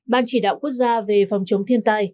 ban chỉ đạo quốc gia về phòng chống thiên tai